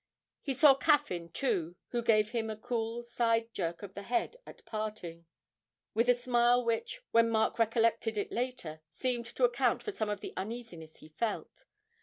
He saw Caffyn too, who gave him a cool side jerk of the head at parting, with a smile which, when Mark recollected it later, seemed to account for some of the uneasiness he felt.